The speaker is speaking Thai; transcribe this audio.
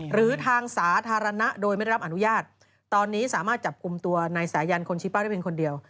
หรือทางสาธารณะโดยไม่ได้รับอนุญาตตอนนี้สามารถจับกลุ่มตัวนายสายันคนชี้เป้าได้เป็นคนเดียว